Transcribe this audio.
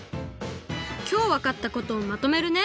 きょうわかったことをまとめるね。